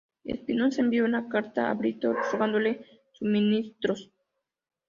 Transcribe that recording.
Espinosa envió una carta a Brito rogándole suministros.